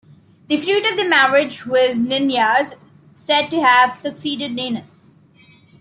The fruit of the marriage was Ninyas, said to have succeeded Ninus.